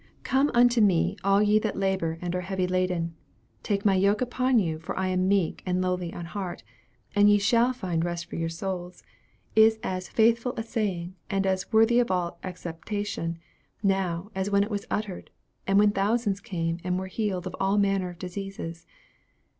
'Come unto me, all ye that labor and are heavy laden. Take my yoke upon you; for I am meek and lowly in heart; and ye shall find rest for your souls,' is as 'faithful a saying' and as 'worthy of all acceptation' now, as when it was uttered, and when thousands came and 'were healed of all manner of diseases.'